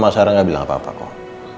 mama sarah gak bilang apa apa kok